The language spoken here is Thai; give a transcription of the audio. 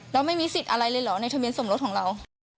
เราไม่มีสิทธิ์อะไรเลยเหรอในทะเบียนสมรสของเรา